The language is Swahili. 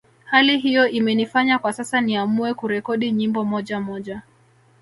Hali hiyo imenifanya kwa sasa niamue kurekodi nyimbo moja moja